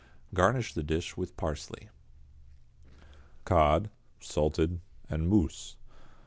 Garnish the dish with parsley. =Cod, Salted, en Mousse.